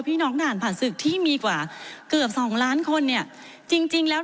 พี่น้องด่านผ่านศึกที่มีกว่าเกือบสองล้านคนเนี่ยจริงจริงแล้ว